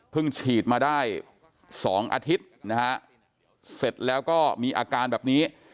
ฉีดมาได้๒อาทิตย์นะฮะเสร็จแล้วก็มีอาการแบบนี้